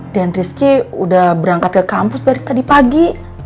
dan rizky udah berangkat ke kampus dari tadi pagi